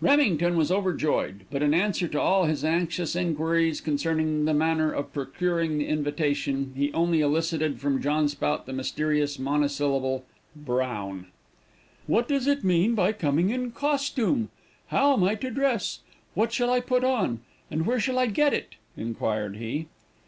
Remington was overjoyed, but in answer to all his anxious inquiries concerning the manner of procuring the invitation, he only elicited from John Spout the mysterious monosyllable, BROWN! "What does it mean by coming 'in costume?' How am I to dress? What shall I put on, and where shall I get it?" inquired he.